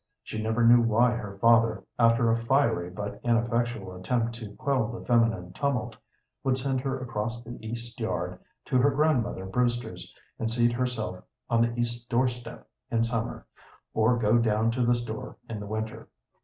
She never knew why her father, after a fiery but ineffectual attempt to quell the feminine tumult, would send her across the east yard to her grandmother Brewster's, and seat himself on the east door step in summer, or go down to the store in the winter.